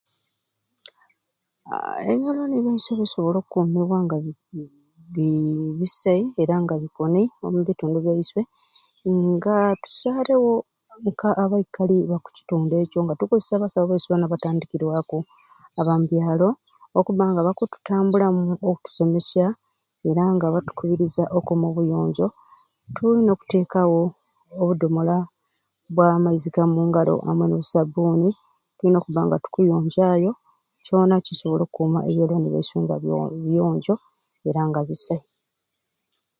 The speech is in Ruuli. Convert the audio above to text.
Haaa ebyoloni byesyei bikusobola okukumibwa nga bi bisai era nga bikuni omu bitundu byesyei nga tusarewo nka abaikali ba kukitundu ekyo nga tukukolesya abasawu bani abatandikirwaku aba mu byalo okuba nga bakututambulamu bakutusomesya era batukubiriza okukuma obuyonjo tuyina okutekawo obudomola bwa maizi ga mungalo amwei no sabuni tuyina okuba nga tukuyonja yo kyona kikusobola okukuma ebyoloni byesyei nga biyonjo era nga bisai